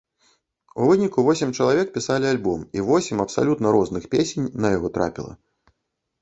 У выніку восем чалавек пісалі альбом і восем абсалютна розных песень на яго трапіла.